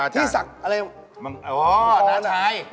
ที่สักอะไร